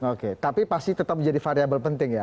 oke tapi pasti tetap menjadi variable penting ya